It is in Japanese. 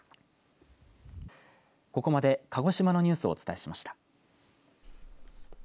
ここまで鹿児島のニュースをお伝えしました。